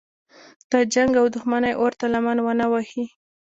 د جنګ او دښمنۍ اور ته لمن ونه وهي.